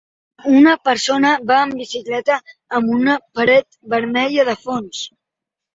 Una persona va amb bicicleta amb una paret vermella de fons.